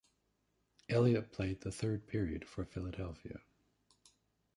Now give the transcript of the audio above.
Elliott played the third period for Philadelphia.